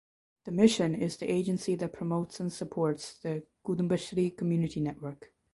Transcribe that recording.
The Mission is the agency that promotes and supports the Kutumbashree community network.